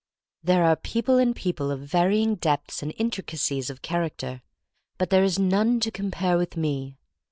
There are people and people of varying depths and intri cacies of character, but there is none to compare with me.